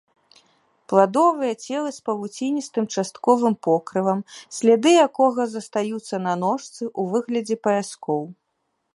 Пладовыя целы з павуціністым частковым покрывам, сляды якога застаюцца на ножцы ў выглядзе паяскоў.